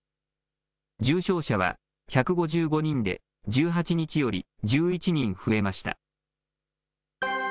重症者は１５５人で、１８日より１１人増えました。